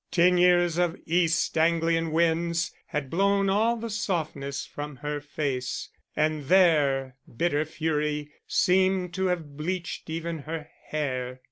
Ten years of East Anglian winds had blown all the softness from her face, and their bitter fury seemed to have bleached even her hair.